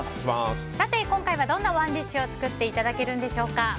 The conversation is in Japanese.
今回はどんなＯｎｅＤｉｓｈを作っていただけるのでしょうか。